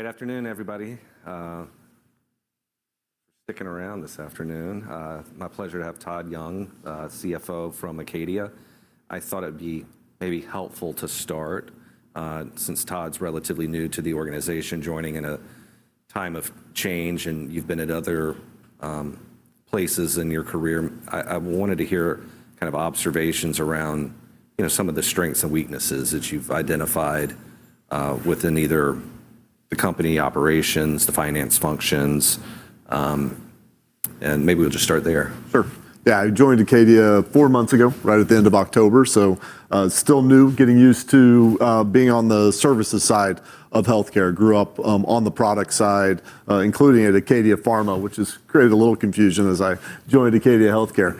All right. Afternoon, everybody. Sticking around this afternoon. My pleasure to have Todd Young, CFO from Acadia. I thought it'd be maybe helpful to start, since Todd's relatively new to the organization, joining in a time of change, and you've been at other places in your career. I wanted to hear kind of observations around, you know, some of the strengths and weaknesses that you've identified within either the company operations, the finance functions. Maybe we'll just start there. Sure. Yeah. I joined Acadia four months ago, right at the end of October, so still new. Getting used to being on the services side of healthcare. Grew up on the product side, including at Acadia Pharma, which has created a little confusion as I joined Acadia Healthcare.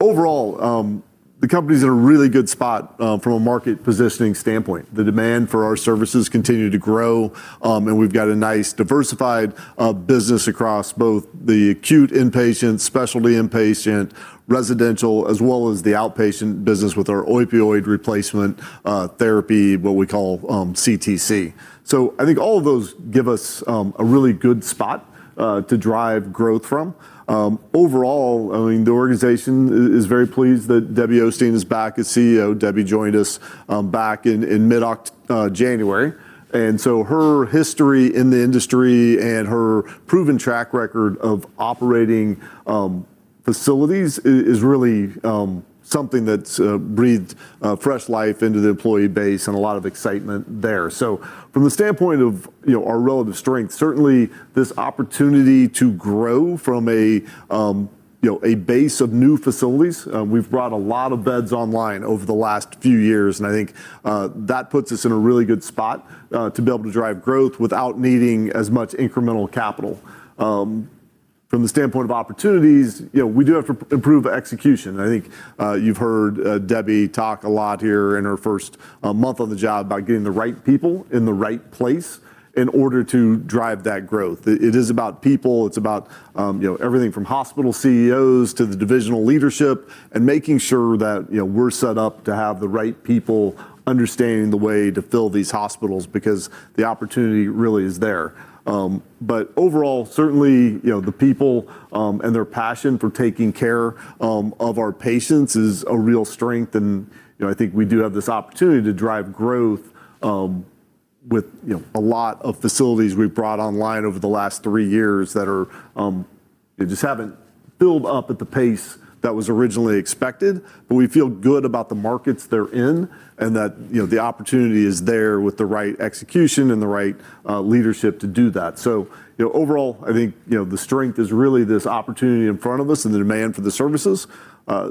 Overall, the company's in a really good spot from a market positioning standpoint. The demand for our services continue to grow, and we've got a nice diversified business across both the acute inpatient, specialty inpatient, residential, as well as the outpatient business with our opioid replacement therapy, what we call CTC. I think all of those give us a really good spot to drive growth from. Overall, I mean, the organization is very pleased that Debbie Osteen is back as CEO. Debbie joined us back in January, and so her history in the industry and her proven track record of operating facilities is really something that's breathed fresh life into the employee base and a lot of excitement there. From the standpoint of, you know, our relative strength, certainly this opportunity to grow from a, you know, a base of new facilities, we've brought a lot of beds online over the last few years, and I think that puts us in a really good spot to be able to drive growth without needing as much incremental capital. From the standpoint of opportunities, you know, we do have to improve execution. I think, you've heard, Debbie talk a lot here in her first month on the job about getting the right people in the right place in order to drive that growth. It is about people. It's about, you know, everything from hospital CEOs to the divisional leadership and making sure that, you know, we're set up to have the right people understanding the way to fill these hospitals, because the opportunity really is there. Overall, certainly, you know, the people, and their passion for taking care, of our patients is a real strength and, you know, I think we do have this opportunity to drive growth, with, you know, a lot of facilities we've brought online over the last three years that are, they just haven't built up at the pace that was originally expected. We feel good about the markets they're in and that, you know, the opportunity is there with the right execution and the right leadership to do that. Overall, I think, you know, the strength is really this opportunity in front of us and the demand for the services.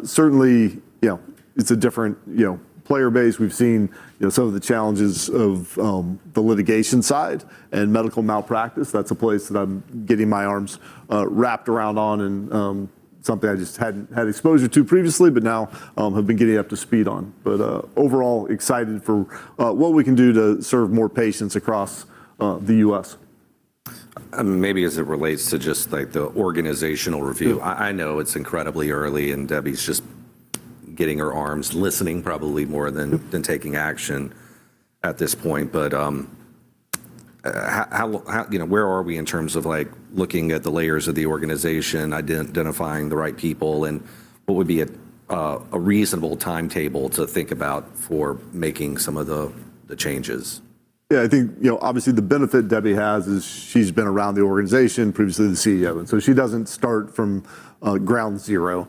Certainly, you know, it's a different, you know, player base. We've seen, you know, some of the challenges of the litigation side and medical malpractice. That's a place that I'm getting my arms wrapped around on and something I just hadn't had exposure to previously, but now have been getting up to speed on. Overall excited for what we can do to serve more patients across the U.S. Maybe as it relates to just, like, the organizational review. Sure. I know it's incredibly early, and Debbie's just getting her arms, listening probably more than taking action at this point, but how... You know, where are we in terms of, like, looking at the layers of the organization, identifying the right people, and what would be a reasonable timetable to think about for making some of the changes? Yeah. I think, you know, obviously the benefit Debbie has is she's been around the organization, previously the CEO. She doesn't start from ground zero.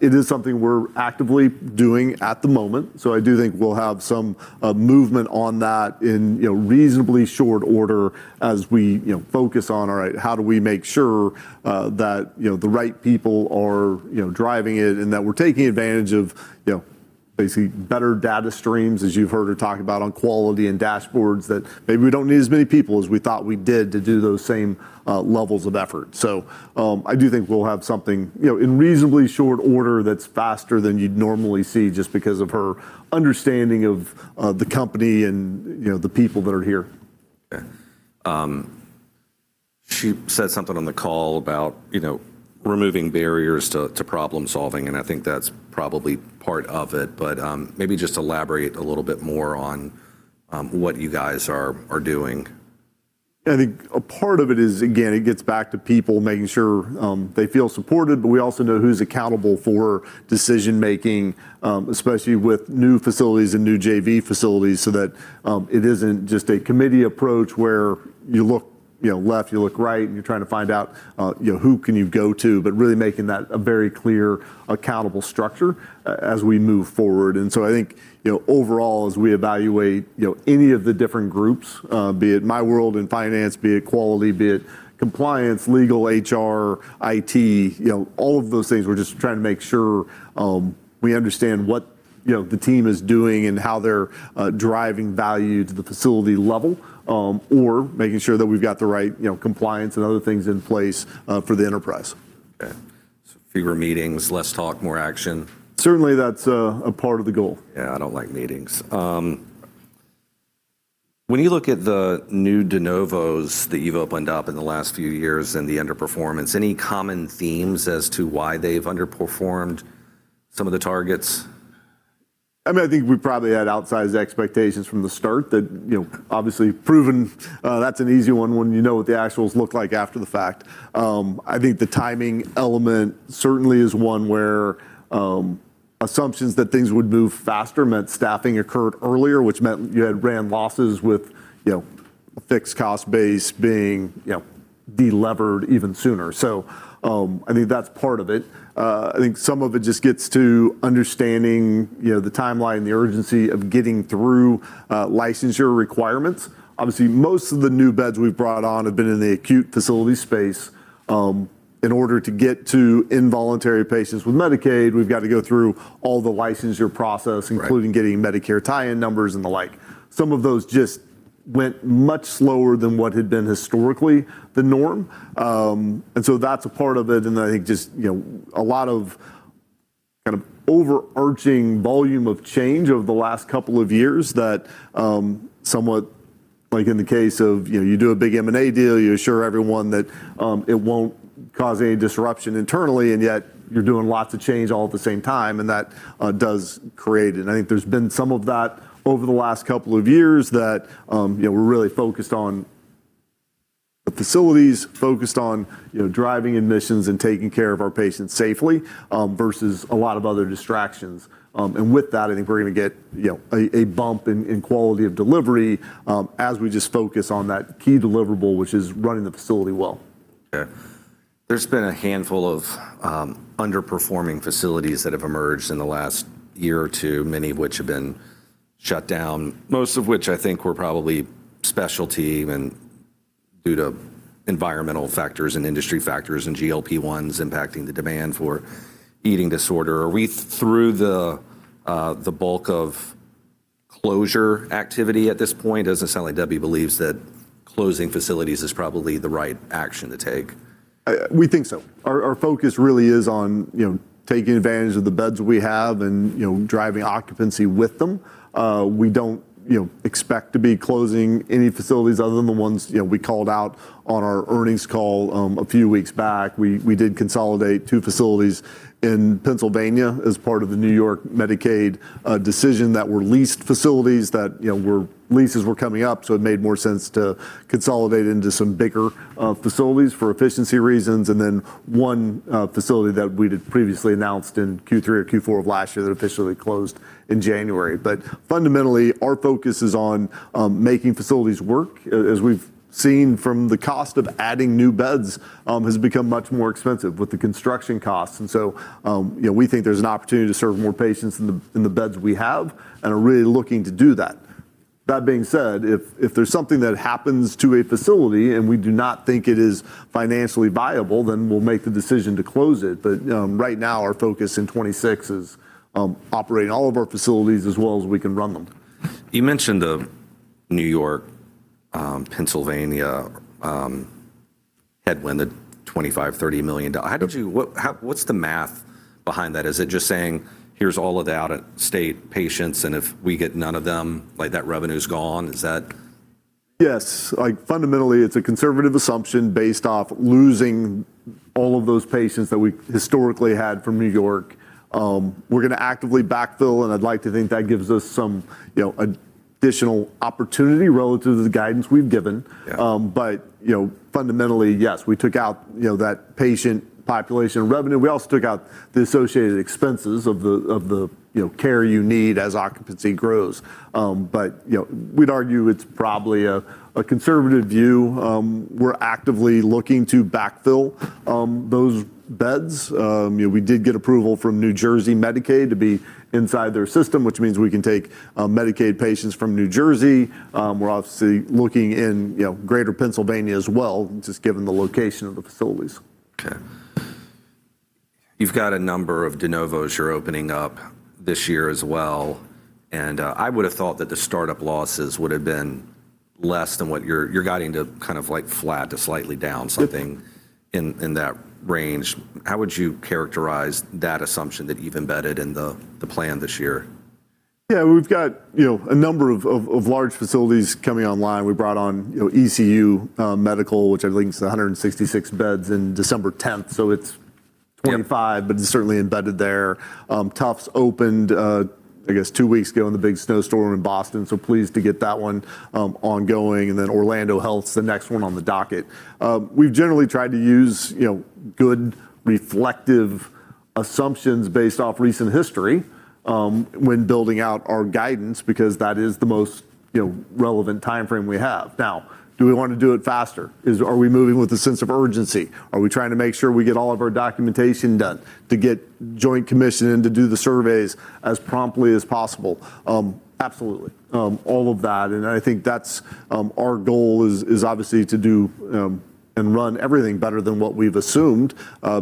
It is something we're actively doing at the moment. I do think we'll have some movement on that in, you know, reasonably short order as we, you know, focus on, all right, how do we make sure that, you know, the right people are, you know, driving it and that we're taking advantage of, you know, basically better data streams, as you've heard her talk about on quality and dashboards that maybe we don't need as many people as we thought we did to do those same levels of effort. I do think we'll have something, you know, in reasonably short order that's faster than you'd normally see just because of her understanding of the company and, you know, the people that are here. Okay. She said something on the call about, you know, removing barriers to problem-solving, and I think that's probably part of it. Maybe just elaborate a little bit more on, what you guys are doing. I think a part of it is, again, it gets back to people, making sure, they feel supported. We also know who's accountable for decision-making, especially with new facilities and new JV facilities. That it isn't just a committee approach where you look, you know, left, you look right, and you're trying to find out, you know, who can you go to. Really making that a very clear, accountable structure as we move forward. I think, you know, overall, as we evaluate, you know, any of the different groups, be it my world in finance, be it quality, be it compliance, legal, HR, IT, you know, all of those things, we're just trying to make sure we understand what, you know, the team is doing and how they're driving value to the facility level, or making sure that we've got the right, you know, compliance and other things in place for the enterprise. Okay. Fewer meetings, less talk, more action. Certainly that's a part of the goal. Yeah. I don't like meetings. When you look at the new de novos that you've opened up in the last few years and the underperformance, any common themes as to why they've underperformed some of the targets? I mean, I think we probably had outsized expectations from the start that, you know, obviously proven, that's an easy one when you know what the actuals look like after the fact. I think the timing element certainly is one where assumptions that things would move faster meant staffing occurred earlier, which meant you had ran losses with, you know, a fixed cost base being, you know, de-levered even sooner. I think that's part of it. I think some of it just gets to understanding, you know, the timeline and the urgency of getting through licensure requirements. Obviously, most of the new beds we've brought on have been in the acute facility space. In order to get to involuntary patients with Medicaid, we've got to go through all the licensure process- Right. Including getting Medicare tie-in numbers and the like. Some of those just went much slower than what had been historically the norm. That's a part of it, and I think just, you know, a lot of kind of overarching volume of change over the last couple of years that, somewhat like in the case of, you know, you do a big M&A deal, you assure everyone that, it won't cause any disruption internally, and yet you're doing lots of change all at the same time, and that does create it. I think there's been some of that over the last couple of years that, you know, we're really focused on the facilities, focused on, you know, driving admissions and taking care of our patients safely, versus a lot of other distractions. With that, I think we're gonna get, you know, a bump in quality of delivery, as we just focus on that key deliverable, which is running the facility well. Okay. There's been a handful of underperforming facilities that have emerged in the last year or two, many of which have been shut down, most of which I think were probably specialty even due to environmental factors and industry factors and GLP-1s impacting the demand for eating disorder. Are we through the bulk of closure activity at this point? It doesn't sound like Debbie believes that closing facilities is probably the right action to take. We think so. Our focus really is on, you know, taking advantage of the beds we have and, you know, driving occupancy with them. We don't, you know, expect to be closing any facilities other than the ones, you know, we called out on our earnings call, a few weeks back. We did consolidate two facilities in Pennsylvania as part of the New York Medicaid decision that were leased facilities that, you know, were leases were coming up, so it made more sense to consolidate into some bigger facilities for efficiency reasons and then one facility that we had previously announced in Q3 or Q4 of last year that officially closed in January. Fundamentally, our focus is on making facilities work. As we've seen from the cost of adding new beds has become much more expensive with the construction costs. you know, we think there's an opportunity to serve more patients in the, in the beds we have and are really looking to do that. That being said, if there's something that happens to a facility and we do not think it is financially viable, then we'll make the decision to close it. right now, our focus in 2026 is operating all of our facilities as well as we can run them. You mentioned New York, Pennsylvania, headwind at $25 million-$30 million. What's the math behind that? Is it just saying, "Here's all of the out-of-state patients, and if we get none of them, like, that revenue's gone?" Is that- Yes. Like, fundamentally, it's a conservative assumption based off losing all of those patients that we historically had from New York. We're gonna actively backfill, and I'd like to think that gives us some, you know, additional opportunity relative to the guidance we've given. Yeah. You know, fundamentally, yes, we took out, you know, that patient population revenue. We also took out the associated expenses of the, you know, care you need as occupancy grows. You know, we'd argue it's probably a conservative view. We're actively looking to backfill, those beds. You know, we did get approval from New Jersey Medicaid to be inside their system, which means we can take, Medicaid patients from New Jersey. We're obviously looking in, you know, greater Pennsylvania as well, just given the location of the facilities. Okay. You've got a number of de novos you're opening up this year as well, and, I would have thought that the startup losses would have been less than what you're guiding to kind of, like, flat to slightly down, something in that range. How would you characterize that assumption that you've embedded in the plan this year? Yeah, we've got, you know, a number of large facilities coming online. We brought on, you know, ECU Health, which I believe is 166 beds in December 10th. Yeah. It's certainly embedded there. Tufts opened, I guess two weeks ago in the big snowstorm in Boston, pleased to get that one, ongoing. Orlando Health's the next one on the docket. We've generally tried to use, you know, good reflective assumptions based off recent history, when building out our guidance because that is the most, you know, relevant timeframe we have. Now, do we wanna do it faster? Are we moving with a sense of urgency? Are we trying to make sure we get all of our documentation done to get The Joint Commission in to do the surveys as promptly as possible? Absolutely, all of that, and I think that's our goal is obviously to do, and run everything better than what we've assumed,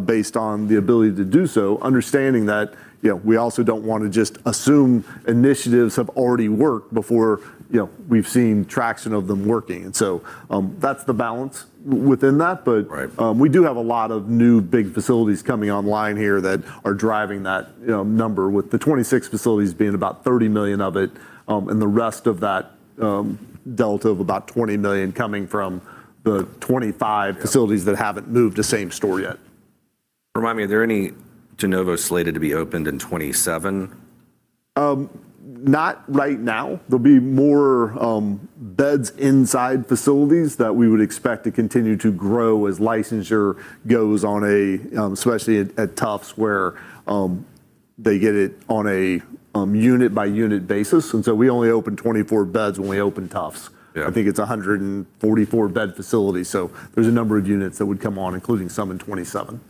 based on the ability to do so, understanding that, you know, we also don't wanna just assume initiatives have already worked before, you know, we've seen traction of them working. That's the balance within that. Right. We do have a lot of new, big facilities coming online here that are driving that, you know, number with the 26 facilities being about $30 million of it, and the rest of that, delta of about $20 million coming from the 25 facilities that haven't moved to same-store yet. Remind me, are there any de novo slated to be opened in 2027? Not right now. There'll be more beds inside facilities that we would expect to continue to grow as licensure goes on a especially at Tufts, where they get it on a unit-by-unit basis. We only opened 24 beds when we opened Tufts. Yeah. I think it's a 144 bed facility. There's a number of units that would come on, including some in 2027.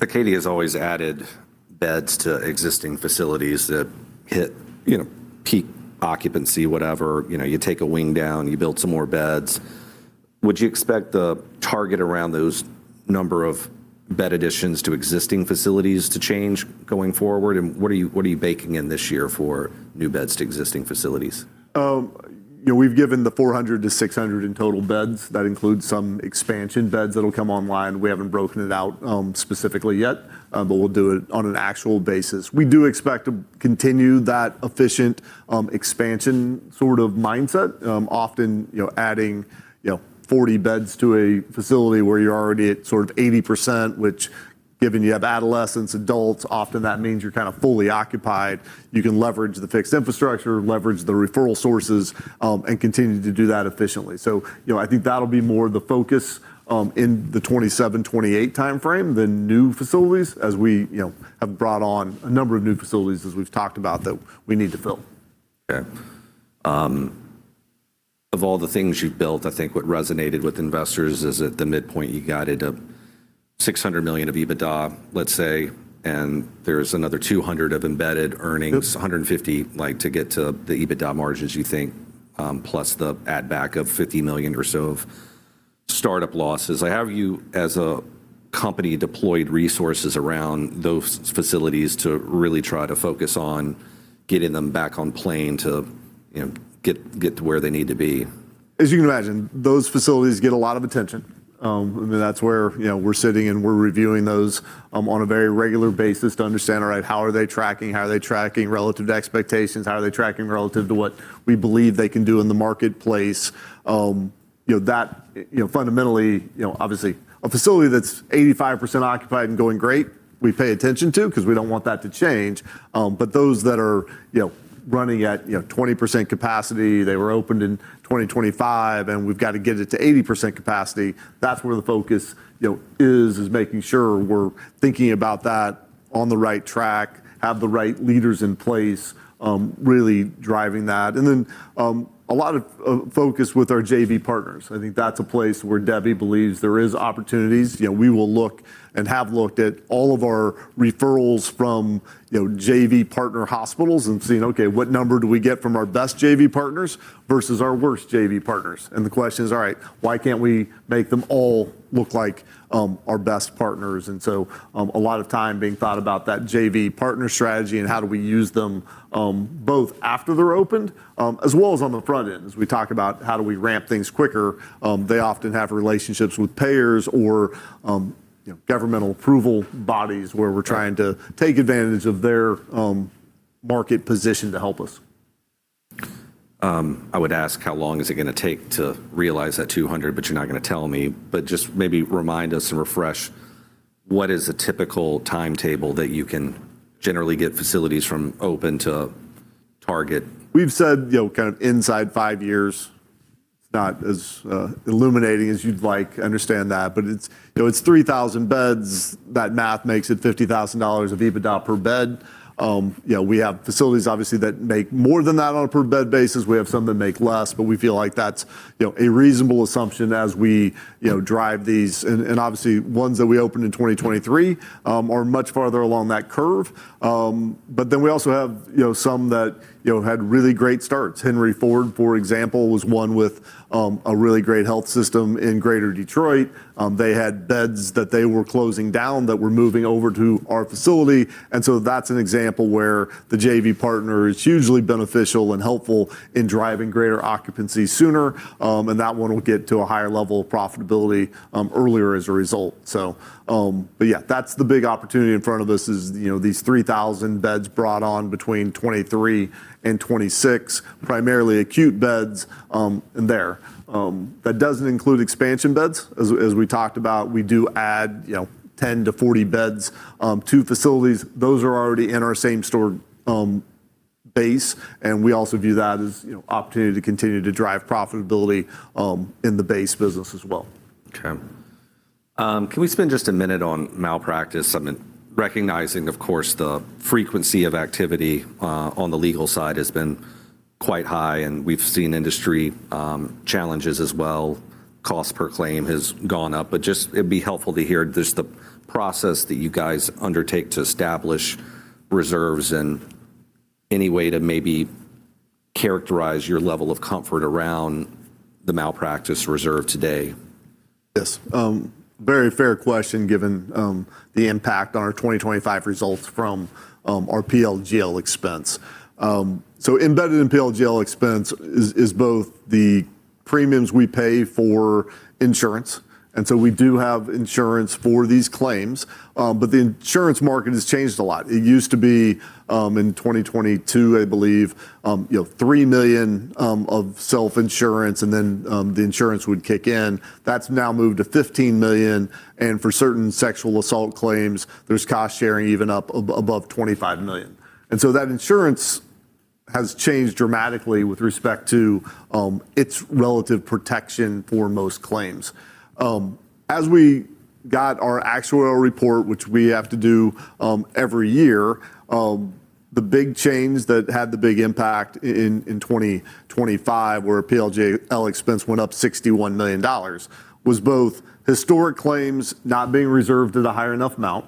Acadia has always added beds to existing facilities that hit, you know, peak occupancy, whatever. You know, you take a wing down, you build some more beds. Would you expect the target around those number of bed additions to existing facilities to change going forward? What are you baking in this year for new beds to existing facilities? You know, we've given the 400-600 in total beds. That includes some expansion beds that'll come online. We haven't broken it out specifically yet, but we'll do it on an actual basis. We do expect to continue that efficient expansion sort of mindset, often, you know, adding, you know, 40 beds to a facility where you're already at sort of 80%, which given you have adolescents, adults, often that means you're kind of fully occupied. You can leverage the fixed infrastructure, leverage the referral sources, and continue to do that efficiently. You know, I think that'll be more the focus in the 2027, 2028 timeframe than new facilities, as we, you know, have brought on a number of new facilities, as we've talked about, that we need to fill. Okay. Of all the things you've built, I think what resonated with investors is at the midpoint, you guided a $600 million of EBITDA, let's say, and there's another $200 million of embedded earnings. Yep. A $150 million, like, to get to the EBITDA margins you think, plus the add back of $50 million or so of startup losses. Like, how have you as a company deployed resources around those facilities to really try to focus on getting them back on plane to, you know, get to where they need to be? As you can imagine, those facilities get a lot of attention. I mean, that's where, you know, we're sitting and we're reviewing those, on a very regular basis to understand, all right, how are they tracking, how are they tracking relative to expectations? How are they tracking relative to what we believe they can do in the marketplace? You know, that, you know, fundamentally, you know, obviously a facility that's 85% occupied and going great, we pay attention to because we don't want that to change. Those that are, you know, running at, you know, 20% capacity, they were opened in 2025, and we've got to get it to 80% capacity, that's where the focus, you know, is making sure we're thinking about that on the right track, have the right leaders in place, really driving that. A lot of focus with our JV partners. I think that's a place where Debbie believes there is opportunities. You know, we will look and have looked at all of our referrals from, you know, JV partner hospitals and seeing, okay, what number do we get from our best JV partners versus our worst JV partners? The question is, all right, why can't we make them all look like our best partners? A lot of time being thought about that JV partner strategy and how do we use them both after they're opened as well as on the front end. As we talk about how do we ramp things quicker, they often have relationships with payers or, you know, governmental approval bodies where we're trying to take advantage of their market position to help us. I would ask how long is it gonna take to realize that $200 million, but you're not gonna tell me. Just maybe remind us and refresh what is a typical timetable that you can generally get facilities from open to target? We've said, you know, kind of inside 5 years. It's not as illuminating as you'd like, understand that, but it's, you know, it's 3,000 beds. That math makes it $50,000 of EBITDA per bed. You know, we have facilities obviously that make more than that on a per bed basis. We have some that make less, but we feel like that's, you know, a reasonable assumption as we, you know, drive these. Obviously ones that we opened in 2023 are much farther along that curve. We also have, you know, some that, you know, had really great starts. Henry Ford, for example, was one with a really great health system in Greater Detroit. They had beds that they were closing down that we're moving over to our facility. That's an example where the JV partner is usually beneficial and helpful in driving greater occupancy sooner. That one will get to a higher level of profitability earlier as a result, so. Yeah, that's the big opportunity in front of us is, you know, these 3,000 beds brought on between 2023 and 2026, primarily acute beds there. That doesn't include expansion beds. As we talked about, we do add, you know, 10 to 40 beds to facilities. Those are already in our same-store base, we also view that as, you know, opportunity to continue to drive profitability in the base business as well. Can we spend just a minute on malpractice? I mean, recognizing of course the frequency of activity on the legal side has been quite high, and we've seen industry challenges as well. Cost per claim has gone up. Just it'd be helpful to hear just the process that you guys undertake to establish reserves and any way to maybe characterize your level of comfort around the malpractice reserve today. Yes. Very fair question given the impact on our 2025 results from our PLGL expense. Embedded in PLGL expense is both the premiums we pay for insurance, and so we do have insurance for these claims. The insurance market has changed a lot. It used to be in 2022, I believe, you know, $3 million of self-insurance and then the insurance would kick in. That's now moved to $15 million, and for certain sexual assault claims, there's cost sharing even up above $25 million. That insurance has changed dramatically with respect to its relative protection for most claims. As we got our actuarial report, which we have to do, every year, the big change that had the big impact in 2025, where PLGL expense went up $61 million, was both historic claims not being reserved at a high enough amount.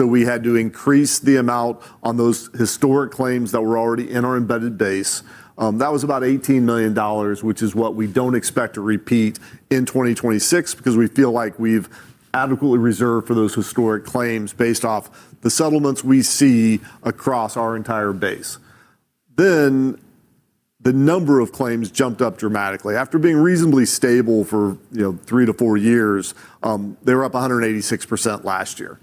We had to increase the amount on those historic claims that were already in our embedded base. That was about $18 million, which is what we don't expect to repeat in 2026 because we feel like we've adequately reserved for those historic claims based off the settlements we see across our entire base. The number of claims jumped up dramatically. After being reasonably stable for, you know, three to four years, they were up 186% last year.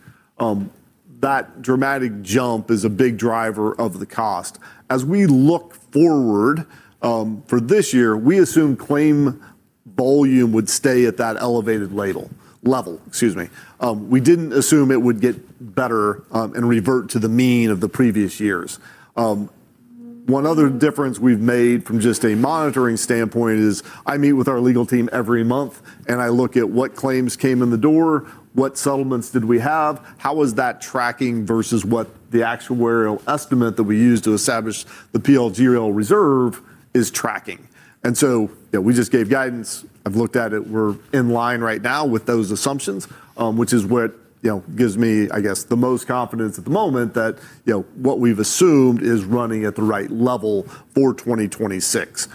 That dramatic jump is a big driver of the cost. As we look forward, for this year, we assume claim volume would stay at that elevated ladle. Level, excuse me. We didn't assume it would get better, and revert to the mean of the previous years. One other difference we've made from just a monitoring standpoint is I meet with our legal team every month, and I look at what claims came in the door, what settlements did we have, how was that tracking versus what the actuarial estimate that we used to establish the PLGL reserve is tracking. So, you know, we just gave guidance. I've looked at it. We're in line right now with those assumptions, which is what, you know, gives me, I guess, the most confidence at the moment that, you know, what we've assumed is running at the right level for 2026.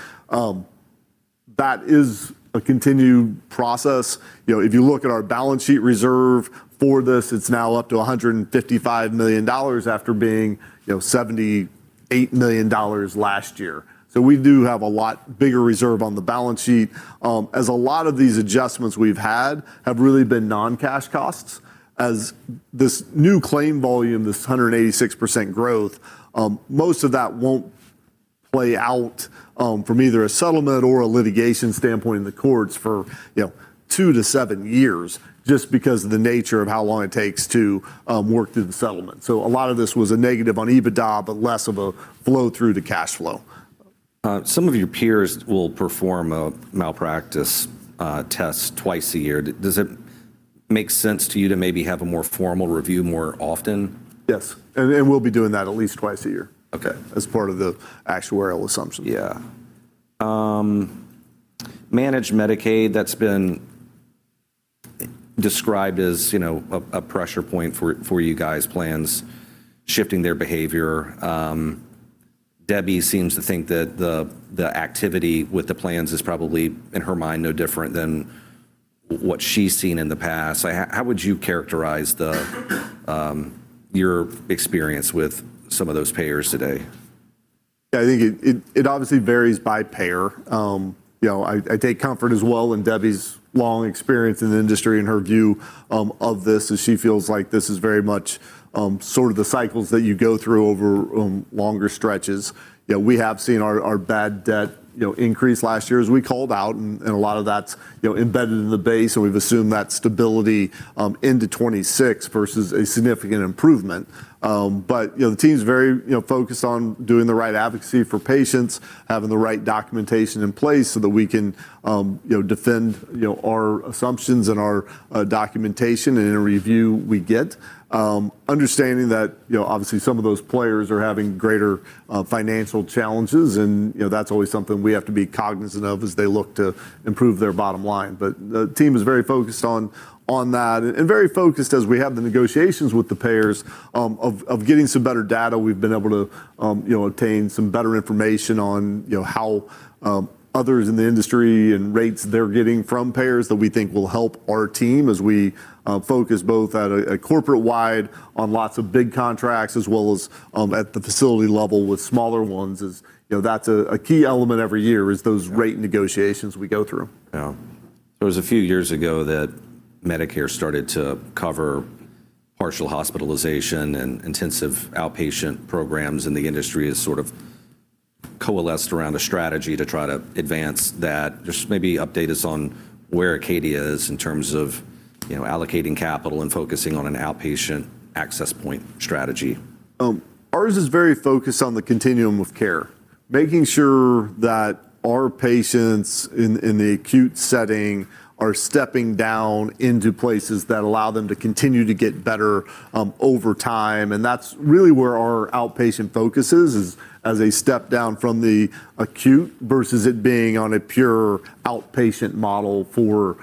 That is a continued process. You know, if you look at our balance sheet reserve for this, it's now up to $155 million after being, you know, $78 million last year. We do have a lot bigger reserve on the balance sheet, as a lot of these adjustments we've had have really been non-cash costs. As this new claim volume, this 186% growth, most of that won't play out from either a settlement or a litigation standpoint in the courts for, you know, two to seven years just because of the nature of how long it takes to work through the settlement. A lot of this was a negative on EBITDA, but less of a flow-through to cash flow. Some of your peers will perform a malpractice test twice a year. Does it make sense to you to maybe have a more formal review more often? Yes. We'll be doing that at least twice a year. Okay. As part of the actuarial assumption. Yeah. Managed Medicaid, that's been described as, you know, a pressure point for you guys' plans shifting their behavior. Debbie seems to think that the activity with the plans is probably, in her mind, no different than what she's seen in the past. How would you characterize the your experience with some of those payers today? I think it obviously varies by payer. You know, I take comfort as well in Debbie's long experience in the industry and her view of this, as she feels like this is very much sort of the cycles that you go through over longer stretches. You know, we have seen our bad debt, you know, increase last year, as we called out, and a lot of that's, you know, embedded in the base, and we've assumed that stability into 2026 versus a significant improvement. You know, the team's very, you know, focused on doing the right advocacy for patients, having the right documentation in place so that we can, you know, defend, you know, our assumptions and our documentation in a review we get. Understanding that, you know, obviously some of those players are having greater financial challenges and, you know, that's always something we have to be cognizant of as they look to improve their bottom line. The team is very focused on that and very focused as we have the negotiations with the payers of getting some better data. We've been able to, you know, obtain some better information on, you know, how others in the industry and rates they're getting from payers that we think will help our team as we focus both at a corporate-wide on lots of big contracts as well as at the facility level with smaller ones is, you know, that's a key element every year is those rate negotiations we go through. Yeah. It was a few years ago that Medicare started to cover partial hospitalization and intensive outpatient programs. The industry has sort of coalesced around a strategy to try to advance that. Just maybe update us on where Acadia is in terms of, you know, allocating capital and focusing on an outpatient access point strategy. Ours is very focused on the continuum of care, making sure that our patients in the acute setting are stepping down into places that allow them to continue to get better over time, and that's really where our outpatient focus is as a step down from the acute versus it being on a pure outpatient model for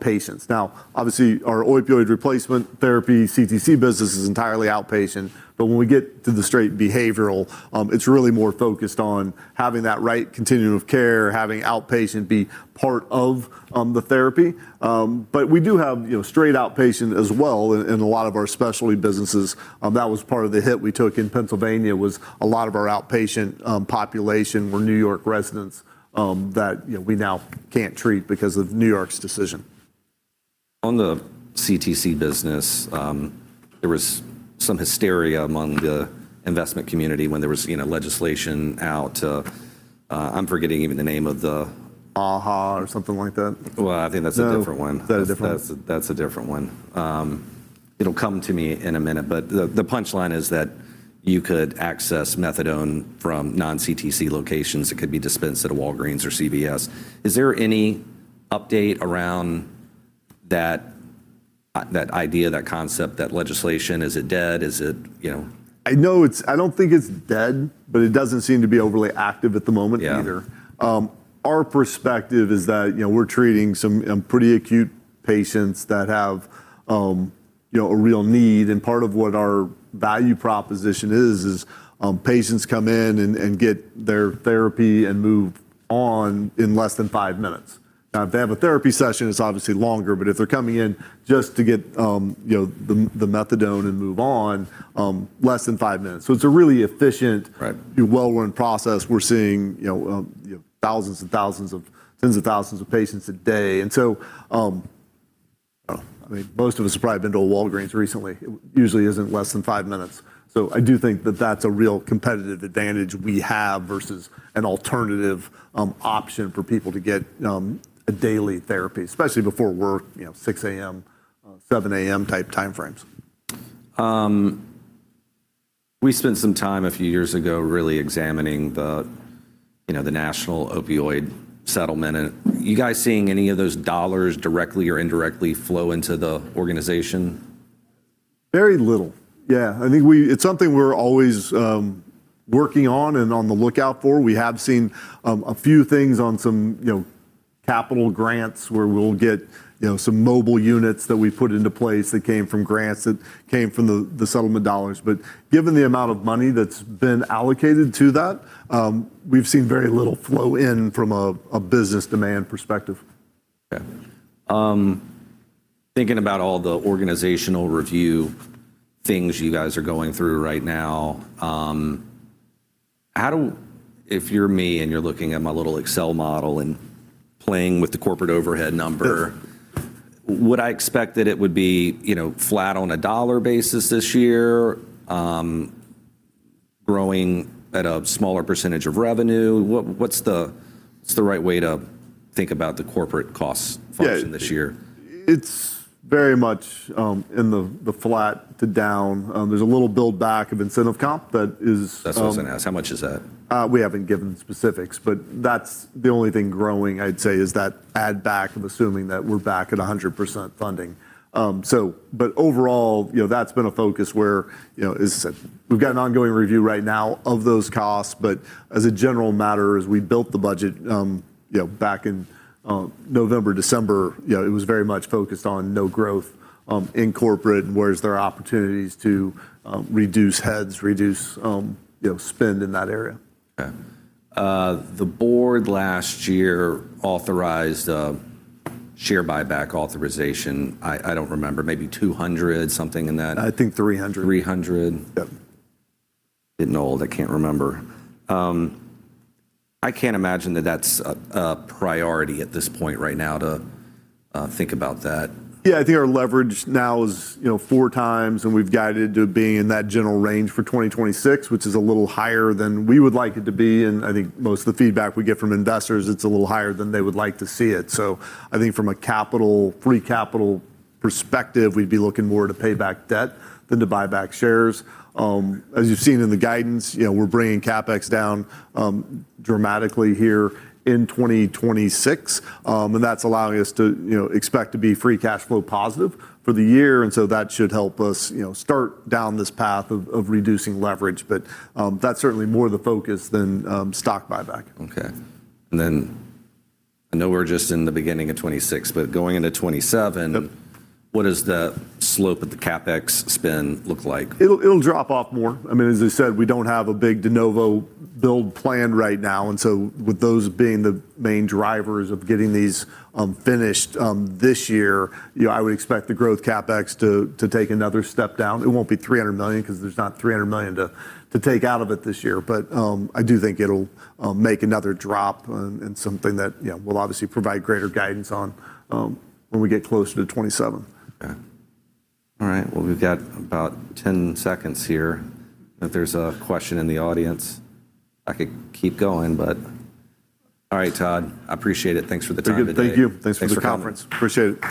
patients. Now, obviously, our opioid replacement therapy CTC business is entirely outpatient, but when we get to the straight behavioral, it's really more focused on having that right continuum of care, having outpatient be part of the therapy. We do have, you know, straight outpatient as well in a lot of our specialty businesses. That was part of the hit we took in Pennsylvania, was a lot of our outpatient, population were New York residents, that, you know, we now can't treat because of New York's decision. On the CTC business, there was some hysteria among the investment community when there was, you know, legislation out, I'm forgetting even the name of the... AHA or something like that. Well, I think that's a different one. No. Is that a different one? That's a different one. It'll come to me in a minute, the punchline is that you could access methadone from non-CTC locations. It could be dispensed at a Walgreens or CVS. Is there any update around that idea, that concept, that legislation? Is it dead? Is it, you know? I know I don't think it's dead, but it doesn't seem to be overly active at the moment either. Yeah. Our perspective is that, you know, we're treating some pretty acute patients that have, you know, a real need and part of what our value proposition is patients come in and get their therapy and move on in less than five minutes. Now, if they have a therapy session, it's obviously longer, but if they're coming in just to get the methadone and move on, less than five minutes. Right. Well-run process. We're seeing, you know, you know, tens of thousands of patients a day. Oh, I mean, most of us have probably been to a Walgreens recently. It usually isn't less than five minutes. I do think that that's a real competitive advantage we have versus an alternative, option for people to get, a daily therapy, especially before work, you know, 6:00 A.M., 7:00 A.M. type time frames. We spent some time a few years ago really examining the, you know, the National Opioids Settlement. Are you guys seeing any of those dollars directly or indirectly flow into the organization? Very little. Yeah. I think it's something we're always working on and on the lookout for. We have seen a few things on some, you know, capital grants where we'll get, you know, some mobile units that we put into place that came from grants that came from the settlement dollars. Given the amount of money that's been allocated to that, we've seen very little flow in from a business demand perspective. Okay. Thinking about all the organizational review things you guys are going through right now, If you're me and you're looking at my little Excel model and playing with the corporate overhead number? Sure. Would I expect that it would be, you know, flat on a dollar basis this year, growing at a smaller percentage of revenue? What's the right way to think about the corporate costs function this year? Yeah. It's very much in the flat to down. There's a little build back of incentive comp. That's what I was gonna ask. How much is that? We haven't given specifics. That's the only thing growing I'd say is that add back of assuming that we're back at 100% funding. Overall, you know, that's been a focus where, you know, as I said, we've got an ongoing review right now of those costs. As a general matter, as we built the budget, you know, back in November, December, you know, it was very much focused on no growth in corporate, where is there opportunities to reduce heads, reduce, you know, spend in that area. The board last year authorized a share buyback authorization. I don't remember, maybe $200, something in that. I think $300. $300. Yep. Getting old. I can't remember. I can't imagine that that's a priority at this point right now to think about that. I think our leverage now is, you know, 4x. We've guided to being in that general range for 2026, which is a little higher than we would like it to be. I think most of the feedback we get from investors, it's a little higher than they would like to see it. I think from a capital, free capital perspective, we'd be looking more to pay back debt than to buy back shares. As you've seen in the guidance, you know, we're bringing CapEx down dramatically here in 2026. That's allowing us to, you know, expect to be free cash flow positive for the year, that should help us, you know, start down this path of reducing leverage. That's certainly more the focus than stock buyback. Okay. I know we're just in the beginning of 2026, but going into 2027... Yep. What does the slope of the CapEx spend look like? It'll drop off more. I mean, as I said, we don't have a big de novo build plan right now. With those being the main drivers of getting these finished this year, you know, I would expect the growth CapEx to take another step down. It won't be $300 million because there's not $300 million to take out of it this year. I do think it'll make another drop and something that, you know, we'll obviously provide greater guidance on when we get closer to 2027. Okay. All right. We've got about 10 seconds here. If there's a question in the audience, I could keep going, but... Todd, I appreciate it. Thanks for the time today. Thank you. Thank you. Thanks for the conference. Thanks for coming. Appreciate it.